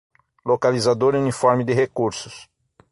Localizador uniforme de recursos